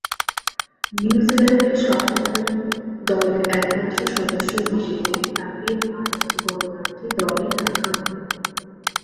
নিউজিল্যান্ডে সফরকারী দলের একমাত্র সদস্য হিসেবে তাকে ভারত গমনার্থে দলে রাখা হয়নি।